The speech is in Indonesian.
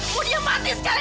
mau dia mati sekali